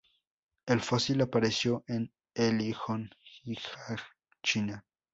El fósil apareció en Heilongjiang, China.